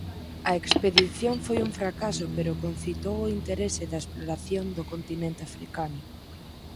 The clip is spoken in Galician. A expedición foi un fracaso pero concitou o interese da exploración do continente africano.